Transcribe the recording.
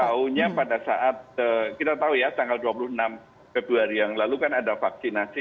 tahunya pada saat kita tahu ya tanggal dua puluh enam februari yang lalu kan ada vaksinasi